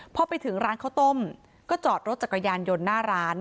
พอไปถึงร้านข้าวต้มก็จอดรถจักรยานยนต์หน้าร้าน